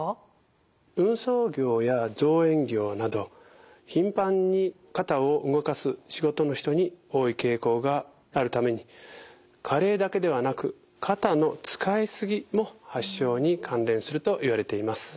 運送業や造園業など頻繁に肩を動かす仕事の人に多い傾向があるために加齢だけではなく肩の使いすぎも発症に関連するといわれています。